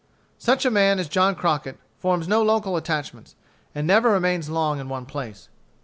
Such a man as John Crockett forms no local attachments, and never remains long in one place.